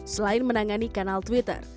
selain menangani kanal twitter